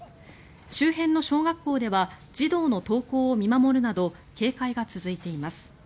周辺の小学校では児童の登校を見守るなど警戒が続いています。